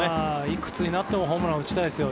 いくつになってもホームラン打ちたいですよ。